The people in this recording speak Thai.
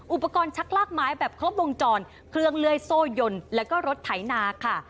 อุปกรณ์ชักลากไม้แบบครบวงจรเครื่องเลื่อยโซ่ยนแล้วก็รถไถนาค่ะ